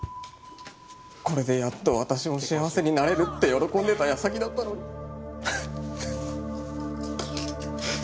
これでやっと私も幸せになれるって喜んでた矢先だったのに。